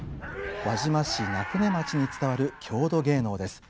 輪島市名舟町に伝わる郷土芸能です。